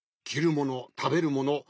きるものたべるもの